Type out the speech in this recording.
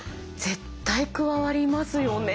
絶対加わりますよね。